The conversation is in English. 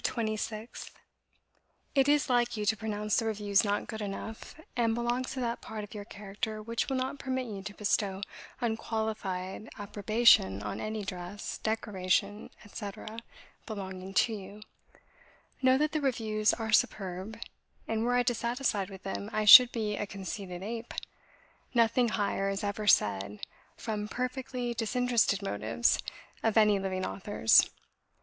26th. "It is like you to pronounce the reviews not good enough, and belongs to that part of your character which will not permit you to bestow unqualified approbation on any dress, decoration, etc., belonging to you. Know that the reviews are superb; and were I dissatisfied with them, I should be a conceited ape. Nothing higher is ever said, FROM PERFECTLY DISINTERESTED MOTIVES, of any living authors.